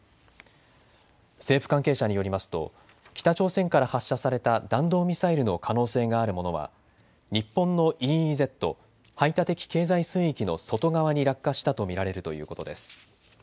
政府関係者によりますと北朝鮮から発射された弾道ミサイルの可能性があるものは日本のＥＥＺ・排他的経済水域の外側に落下したと見られるということです。